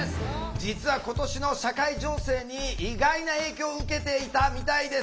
実は今年の社会情勢に意外な影響を受けていたみたいです。